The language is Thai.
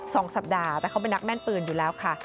สองสัปดาห์แต่เขาเป็นนักแม่นปืนอยู่แล้วค่ะ